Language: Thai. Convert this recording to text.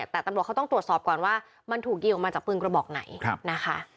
แต่ตำรวจเขาต้องตรวจสอบก่อนว่ามันถูกยิงออกมาจากปืนกระบอกไหนนะคะ